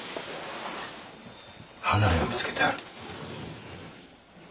離れを見つけてある。